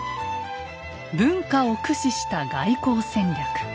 文化を駆使した外交戦略。